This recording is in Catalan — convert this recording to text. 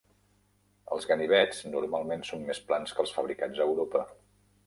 Els ganivets normalment són més plans que els fabricats a Europa.